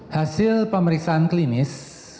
hasil pemeriksaan klinis